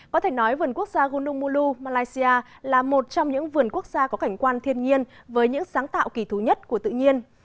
có thể nói vườn quốc gia gonumu malaysia là một trong những vườn quốc gia có cảnh quan thiên nhiên với những sáng tạo kỳ thú nhất của tự nhiên